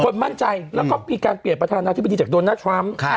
มั่นใจแล้วก็มีการเปลี่ยนประธานาธิบดีจากโดนัททรัมป์